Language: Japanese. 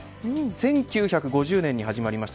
１９５０年に始まりました